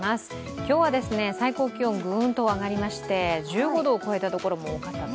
今日は最高気温ぐーんと上がりまして１５度を超えたところも多かったと。